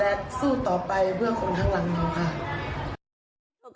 และสู้ต่อไปเพื่อคนข้างหลังหนูค่ะ